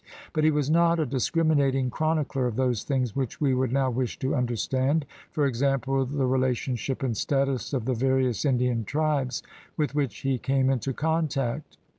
But he was not a discriminating chronicler of those things which we would now wish to under stand — for example, the relationship and status of the various Indian tribes with which he came into contact.